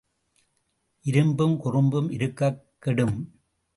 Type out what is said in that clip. இரும்பும் குறும்பும் இருக்கக் கெடும்.